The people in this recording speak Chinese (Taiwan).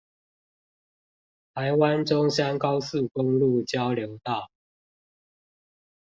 臺灣中山高速公路交流道